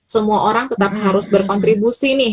semua orang tetap harus berkontribusi nih